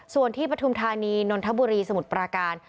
ส่วนที่ปฐุมธานีนนทบุรีสมุทรปราการ